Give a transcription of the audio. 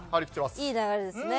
いい流れですね。